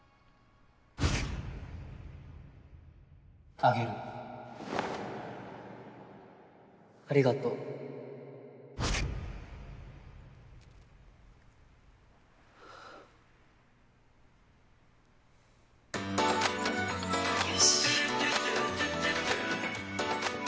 あげるありがとうよし。